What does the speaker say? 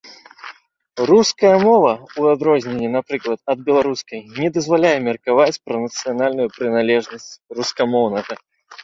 Руская мова, у адрозненне, напрыклад, ад беларускай, не дазваляе меркаваць пра нацыянальную прыналежнасць рускамоўнага.